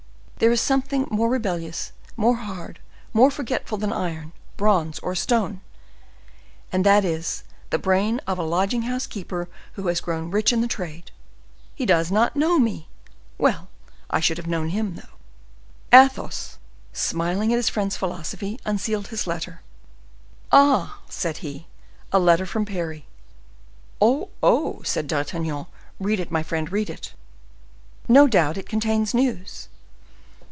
there is something more rebellious, more hard, more forgetful than iron, bronze, or stone, and that is, the brain of a lodging house keeper who has grown rich in the trade;—he does not know me! Well, I should have known him, though." Athos, smiling at his friend's philosophy, unsealed his letter. "Ah!" said he, "a letter from Parry." "Oh! oh!" said D'Artagnan; "read it, my friend, read it! No doubt it contains news."